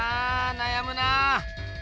なやむなあ。